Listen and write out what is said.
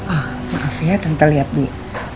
ah maaf ya kita lihat dulu